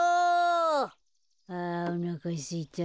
あおなかすいた。